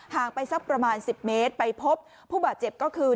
ไปสักประมาณ๑๐เมตรไปพบผู้บาดเจ็บก็คือ